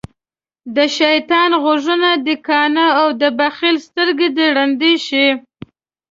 دشيطان غوږونه دکاڼه او دبخیل سترګی د ړندی شی